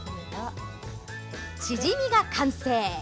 チヂミが完成！